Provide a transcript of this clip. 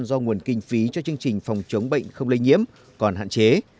do nguồn kinh phí cho chương trình phòng chống bệnh không lây nhiễm còn hạn chế